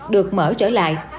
được mở trở lại